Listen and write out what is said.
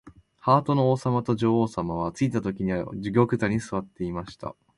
ハートの王さまと女王さまは、ついたときには玉座にすわっていました。